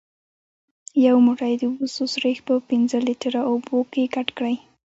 یو موټی د بوسو سريښ په پنځه لیتره اوبو کې ګډ کړئ.